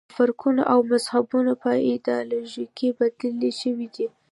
د فرقو او مذهبونو په ایدیالوژۍ بدلې شوې دي.